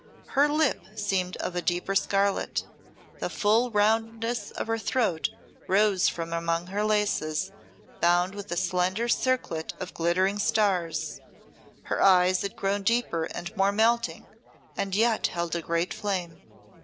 Her lip seemed of a deeper scarlet, the full roundness of her throat rose from among her laces, bound with a slender circlet of glittering stars, her eyes had grown deeper and more melting, and yet held a great flame.